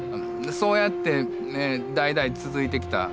そうやって代々続いてきた。